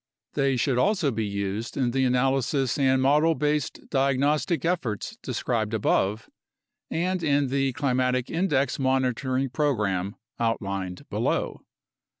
They should also be used in the analysis and model based diagnostic efforts described above and in the climatic index monitoring program out lined below.